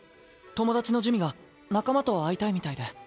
友達の珠魅が仲間と会いたいみたいで。